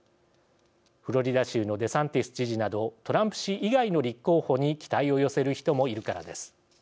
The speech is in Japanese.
フロリダ州のデサンティス知事などトランプ氏以外の立候補に期待を寄せる人もいるからです。